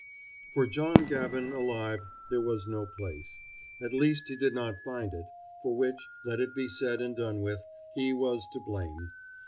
For John Gavin, alive, there was no place. At least he did not find it; for which, let it be said and done with, he was to blame.